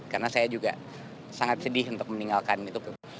karena saya juga sangat sedih untuk meninggalkan itu